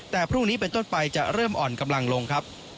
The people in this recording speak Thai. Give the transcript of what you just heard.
แต่พรุ่งนี้เป็นต้นไปจะเริ่มอ่อนกำลังลงครับ